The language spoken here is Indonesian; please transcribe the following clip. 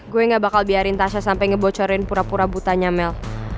gue gak bakal biarin tasha sampai ngebocorin pura pura butanya mel